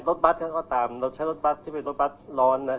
รถบัสก็ตามเราใช้รถบัสที่เป็นรถบัสร้อนนะครับ